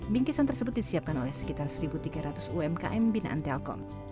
bingkisan tersebut disiapkan oleh sekitar satu tiga ratus umkm binaan telkom